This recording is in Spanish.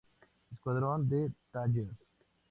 Escuadrón de Dagger.